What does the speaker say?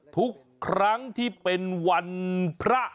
ทุกครั้งที่เป็นวันพระ